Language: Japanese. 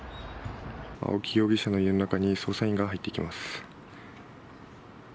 青木容疑者の家の中に捜査員が入っていきます。